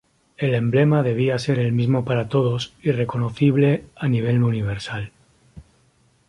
El emblema debía ser el mismo para todos y reconocible a nivel universal.